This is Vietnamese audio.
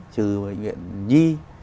trừ bệnh viện nhi